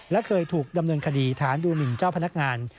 และเคยถูกดำเนินคดีฐานดูหมินเจ้าพนักงาน